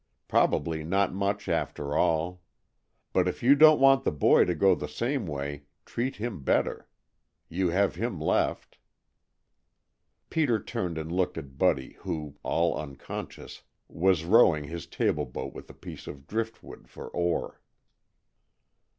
Probably not much after all. But if you don't want the boy to go the same way, treat him better. You have him left." Peter turned and looked at Buddy who, all unconscious, was rowing his table boat with a piece of driftwood for oar.